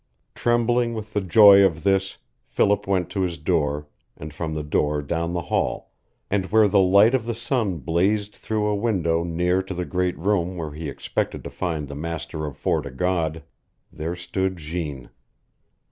Trembling with the joy of this, Philip went to his door, and from the door down the hall, and where the light of the sun blazed through a window near to the great room where he expected to find the master of Fort o' God, there stood Jeanne.